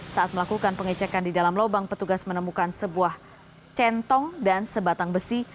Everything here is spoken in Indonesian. saat melakukan pengecekan di dalam lubang petugas menemukan sebuah centong dan sebatang besi